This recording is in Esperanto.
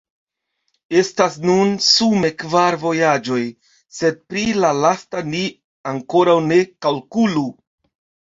Estas nun sume kvar vojaĝoj, sed pri la lasta ni ankoraŭ ne kalkulu.